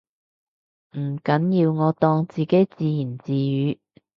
唔緊要，我當自己自言自語